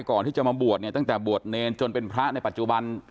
ก่อนที่จะมาบวชเนี่ยตั้งแต่บวชเนรจนเป็นพระในปัจจุบัน